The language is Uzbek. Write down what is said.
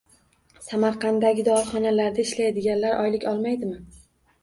Samarqanddagi dorixonalarda ishlaydiganlar oylik olmaydimi?